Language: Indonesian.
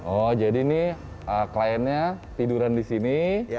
oh jadi ini kliennya tiduran di sini